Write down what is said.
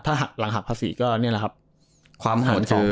ถ้าหักหลังหักภาษีก็เนี่ยแหละครับ